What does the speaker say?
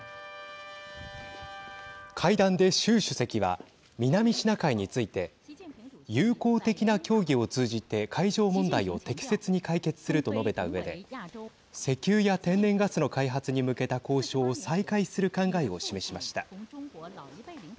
会談で習主席は南シナ海について友好的な協議を通じて海上問題を適切に解決すると述べたうえで石油や天然ガスの開発に向けた交渉を再開する考えを示しました。